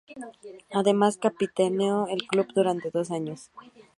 Además, capitaneó al club durante dos años.